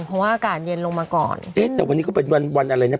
เพราะว่าอากาศเย็นลงมาก่อนเอ๊ะแต่วันนี้ก็เป็นวันวันอะไรนะ